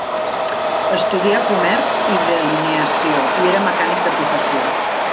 Estudià comerç i delineació, i era mecànic de professió.